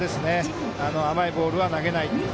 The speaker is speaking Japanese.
甘いボールは投げない。